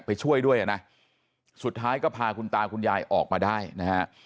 ไปช่วยด้วยอ่ะนะสุดท้ายก็พาคุณตาคุณยายออกมาได้นะฮะ